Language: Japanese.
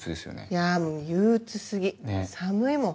いやもう憂鬱過ぎ寒いもん。